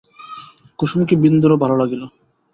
কুসুমকে বিন্দুরও ভালো লাগিল।